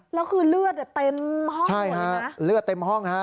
แล้วคือเลือดเต็มห้องใช่ฮะเลือดเต็มห้องฮะ